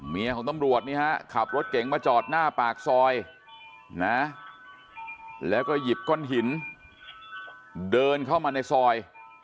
ของตำรวจนี่ฮะขับรถเก๋งมาจอดหน้าปากซอยนะแล้วก็หยิบก้อนหินเดินเข้ามาในซอย